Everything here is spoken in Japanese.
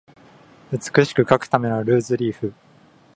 美しく書くためのルーズリーフ